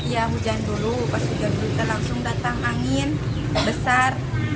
ya hujan dulu pas hujan dulu kita langsung datang angin besar